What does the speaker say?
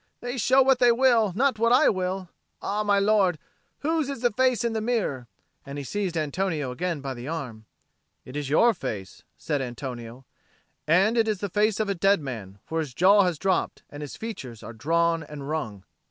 They show what they will, not what I will. Ah, my lord, whose is the face in the mirror?" And he seized Antonio again by the arm. "It is your face," said Antonio; "and it is the face of a dead man, for his jaw has dropped, and his features are drawn and wrung."